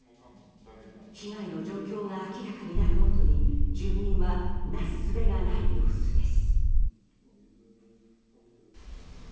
被害の状況が明らかになるごとに住民はなすすべがない様子です。